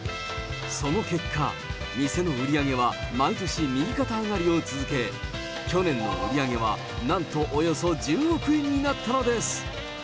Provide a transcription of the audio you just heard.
その結果、店の売り上げは毎年、右肩上がりを続け、去年の売り上げはなんとおよそ１０億円になったのです。